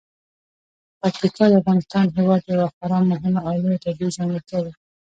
پکتیکا د افغانستان هیواد یوه خورا مهمه او لویه طبیعي ځانګړتیا ده.